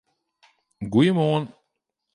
Goeiemoarn!